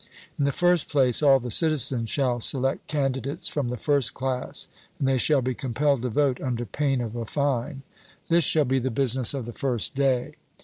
In the first place, all the citizens shall select candidates from the first class; and they shall be compelled to vote under pain of a fine. This shall be the business of the first day.